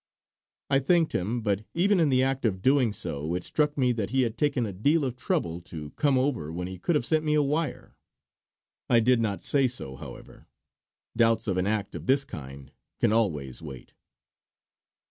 I thanked him, but even in the act of doing so it struck me that he had taken a deal of trouble to come over when he could have sent me a wire. I did not say so, however; doubts of an act of this kind can always wait.